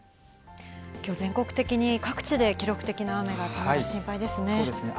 きょう、全国的に各地で記録的な雨が心配ですね。